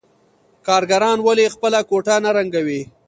کارګران ولې خپله کوټه نه رنګوي